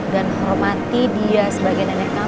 dan hormati dia sebagai nenek kamu